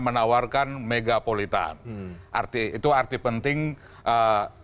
menawarkan megapolitan arti itu arti penting kepada pemerintah pusat kan ada kemudian ada